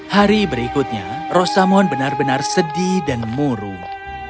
hari berikutnya rosamon benar benar sedih dan murung